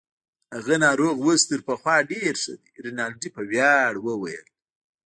هغه ناروغ اوس تر پخوا ډیر ښه دی. رینالډي په ویاړ وویل.